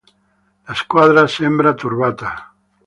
La squadra sembra turbata.